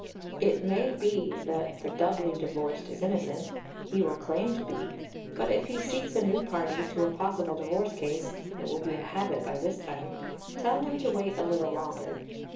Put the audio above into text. It may be that the doubly divorced is innocent, he will claim to be; but if he seeks a new party to a possible divorce case (it will be a habit by this time), tell him to wait a little longer.